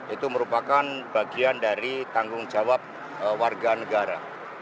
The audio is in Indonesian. itu merupakan bagian dari tanggung jawab warga negara